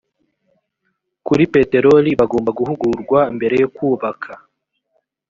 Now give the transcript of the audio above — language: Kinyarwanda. kuri peteroli bagomba guhugurwa mbere yo kubaka